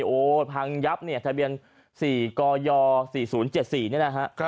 โอ้พังยับเนี่ยทะเบียน๔กย๔๐๗๔เนี่ยนะฮะ